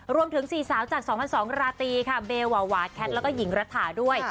รวมถึง๔สาวจาก๒๐๐๒๐๐ราตรีค่ะเบลวาวาแคทแล้วก็หญิงรัฐาด้วย